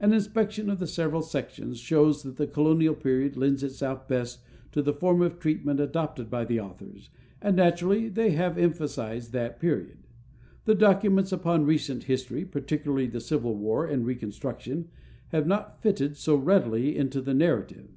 An inspection of the several sections shows that the colonial period lends itself best to the form of treatment adopted by the authors, and naturally they have emphasized that period. The documents upon recent history, particularly the civil war and reconstruction, have not fitted so readily into the narrative.